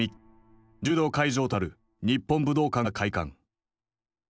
柔道会場となる日本武道館が開館。